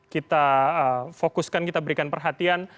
kita fokuskan kita berikan perhatian